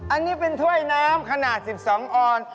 อันนี้เป็นถ้วยน้ำขนาด๑๒ออน